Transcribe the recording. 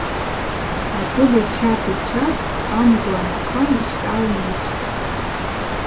Апыль йчатӏ, йчатӏ, амгва нахъан йщтӏалын йычвхтӏ.